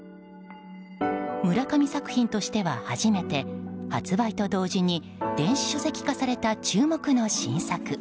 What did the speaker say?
村上作品としては初めて発売と同時に電子書籍化された注目の新作。